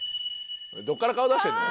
どこから顔出してんだよ！